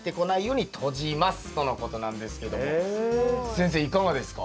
先生いかがですか？